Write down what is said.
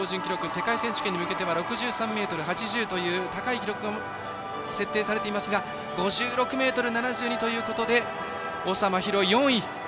世界選手権に向けては６３ｍ８０という高い記録が設定されていますが５６ｍ７２ということで長麻尋、４位。